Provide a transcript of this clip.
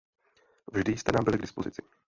Vždy jste nám byl k dispozici.